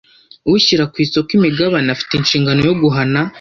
Ushyira ku isoko imigabane afite inshingano yo guhana